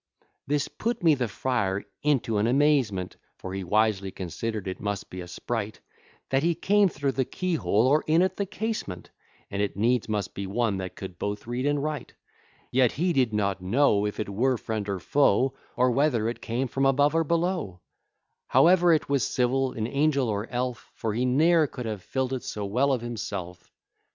II This put me the friar into an amazement; For he wisely consider'd it must be a sprite; That he came through the keyhole, or in at the casement; And it needs must be one that could both read and write; Yet he did not know, If it were friend or foe, Or whether it came from above or below; Howe'er, it was civil, in angel or elf, For he ne'er could have fill'd it so well of himself.